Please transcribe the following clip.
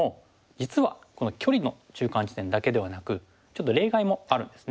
実はこの距離の中間地点だけではなくちょっと例外もあるんですね。